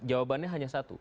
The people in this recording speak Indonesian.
jawabannya hanya satu